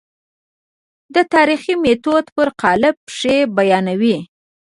د تاریخي میتود پر قالب پېښې بیانوي.